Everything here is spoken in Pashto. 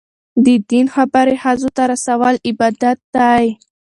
د دین خبرې ښځو ته رسول عبادت دی.